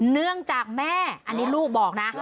เนื่องจากแม่อันนี้ลูกบอกนะ